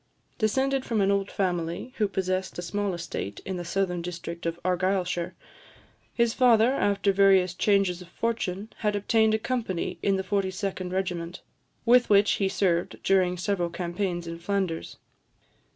" Descended from an old family, who possessed a small estate in the southern district of Argyllshire, his father, after various changes of fortune, had obtained a company in the 42d Regiment, with which he served during several campaigns in Flanders.